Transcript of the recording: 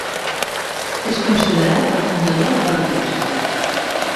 És considerat el fundador de la diòcesi.